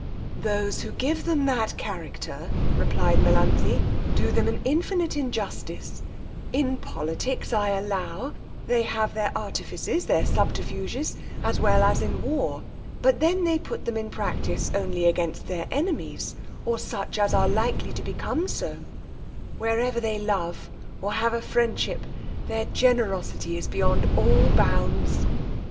Those who give them that character, replied Melanthe, do them an infinite injustice: in politics, I allow, they have their artifices, their subterfuges, as well as in war; but then they put them in practice only against their enemies, or such as are likely to become so: wherever they love, or have a friendship, their generosity is beyond all bounds.